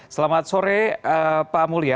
selamat sore pak mulya